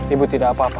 ibu tidak apa apa